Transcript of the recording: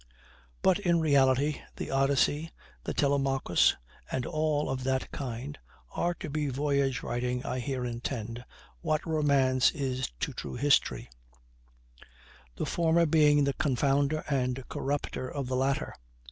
But, in reality, the Odyssey, the Telemachus, and all of that kind, are to the voyage writing I here intend, what romance is to true history, the former being the confounder and corrupter of the latter.